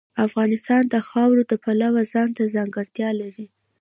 افغانستان د خاوره د پلوه ځانته ځانګړتیا لري.